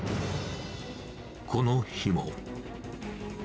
この日も。